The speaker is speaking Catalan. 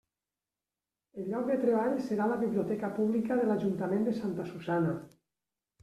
El lloc de treball serà la biblioteca Pública de l'Ajuntament de Santa Susanna.